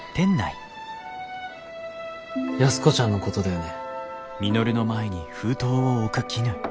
安子ちゃんのことだよね？